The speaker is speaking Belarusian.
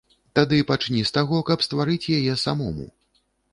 Тады пачні з таго, каб стварыць яе самому.